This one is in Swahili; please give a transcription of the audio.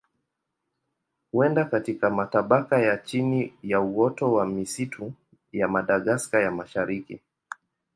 Huenda katika matabaka ya chini ya uoto wa misitu ya Madagaska ya Mashariki.